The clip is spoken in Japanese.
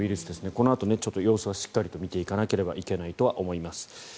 このあと様子はしっかりと見ていかないといけないかなと思います。